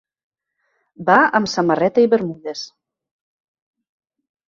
Va amb samarreta i bermudes.